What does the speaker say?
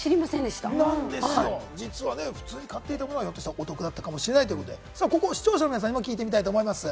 実は普通に買っていたもの、お得だったかもしれないってことで、視聴者の方にも聞いてみたいと思います。